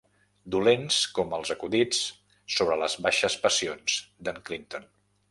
Dolents com els acudits sobre les baixes passions d'en Clinton.